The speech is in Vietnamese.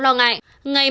nhưng không lo ngại